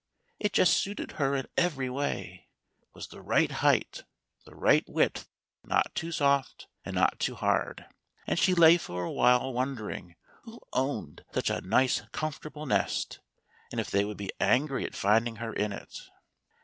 It just suited her in every way — was the right height — the right width — not too soft, and not too hard — and she lay for a while wondering who owned such a nice comforta ble nest, and if they would be angry at finding her in it.